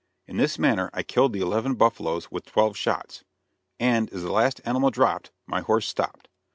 In this manner I killed the eleven buffaloes with twelve shots; and, as the last animal dropped, my horse stopped.